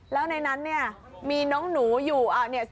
แล้วในนั้นเนี่ยมีน้องหนูอยู่เนี่ย